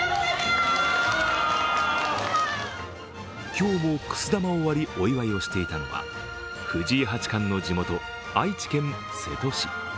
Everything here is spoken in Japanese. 今日もくす玉を割り、お祝いをしていたのは藤井八冠の地元・愛知県瀬戸市。